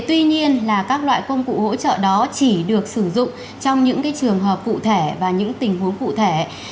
tuy nhiên là các loại công cụ hỗ trợ đó chỉ được sử dụng trong những trường hợp cụ thể và những tình huống cụ thể